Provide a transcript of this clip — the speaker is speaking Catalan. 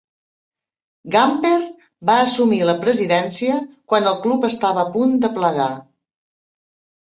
Gamper va assumir la presidència quan el club estava a punt de plegar.